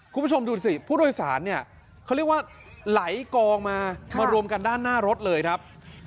คุณผู้ชมดูสิผู้โดยสารเนี่ยเขาเรียกว่าไหลกองมามารวมกันด้านหน้ารถเลยครับ